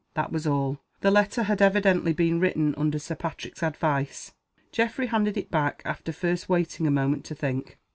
That was all. The letter had evidently been written under Sir Patrick's advice. Geoffrey handed it back, after first waiting a moment to think.